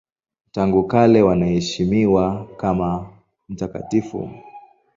Tangu kale wanaheshimiwa kama mtakatifu.